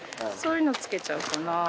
そういうのつけちゃうかな。